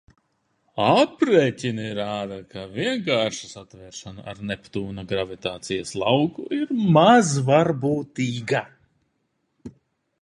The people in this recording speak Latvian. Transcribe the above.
Aprēķini rāda, ka vienkārša satveršana ar Neptūna gravitācijas lauku ir mazvarbūtīga.